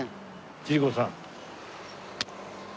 千里子さん。